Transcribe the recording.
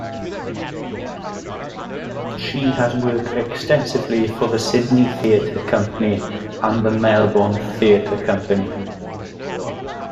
She has worked extensively for the Sydney Theatre Company and the Melbourne Theatre Company.